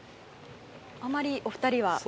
あまり、お二人は。